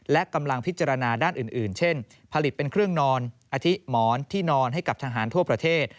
และกำลังพิจารณาด้านอื่นเช่นผลิตเป็นเครื่องนอนอธิหมอนที่นอนให้กับทหารทั่วประเทศ